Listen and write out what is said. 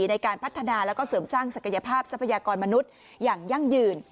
ในการพัฒนาแล้วก็เสริมสร้างศักยภาพทรัพยากรมนุษย์อย่างยั่งยืน